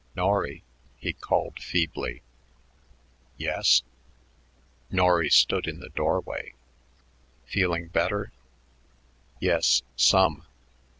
"Norry," he called feebly. "Yes?" Norry stood in the doorway. "Feeling better?" "Yes, some.